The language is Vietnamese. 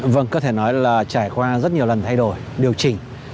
vâng có thể nói là trải qua rất nhiều lần thay đổi điều chỉnh